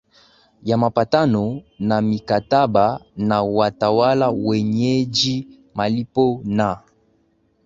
ya mapatano na mikataba na watawala wenyeji malipo na